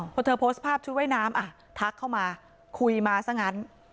พอเธอโพสต์ภาพชุดว่ายน้ำอ่ะทักเข้ามาคุยมาซะงั้น